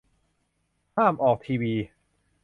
ห้ามออกทีวี